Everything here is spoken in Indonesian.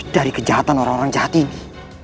dari kejahatan orang orang jahat ini